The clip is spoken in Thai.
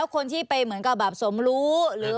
คนที่ไปเหมือนกับสมรู้